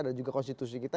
dan juga konstitusi kita